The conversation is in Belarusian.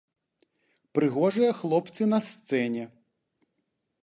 Прыгожыя хлопцы на сцэне.